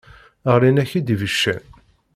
Ɣlin-ak-id ibeccan.